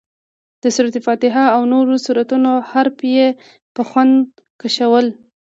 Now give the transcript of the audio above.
د سورت فاتحې او نورو سورتونو حروف یې په خوند کشول.